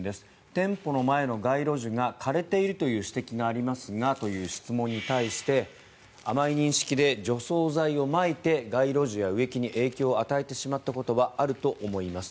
店舗の前の街路樹が枯れているという指摘がありますがという質問に対して甘い認識で除草剤をまいて街路樹や植木に影響を与えてしまったことはあると思います。